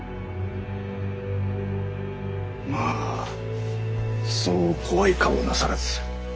まあそう怖い顔をなさらず。